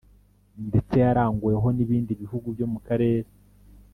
ndetse yaranguweho n’ibindi bihugu byo mu karere